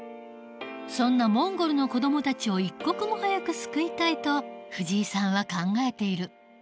そんなモンゴルの子どもたちを一刻も早く救いたいと藤井さんは考えている。